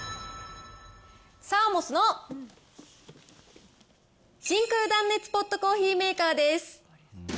サーモスの真空断熱ポットコーヒーメーカーです。